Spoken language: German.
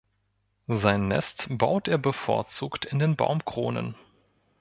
Sein Nest baut er bevorzugt in den Baumkronen.